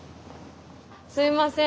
すいません。